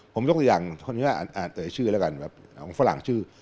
ผมยกตัวอย่างต่อยชื่อของฝรั่ง